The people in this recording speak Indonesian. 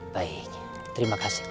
baik terima kasih pak